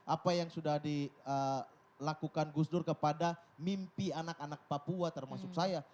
apa yang sudah dilakukan gus dur kepada mimpi anak anak papua termasuk saya